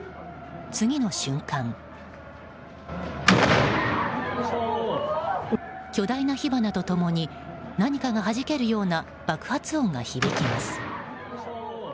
次の瞬間、巨大な火花と共に何かがはじけるような爆発音が響きます。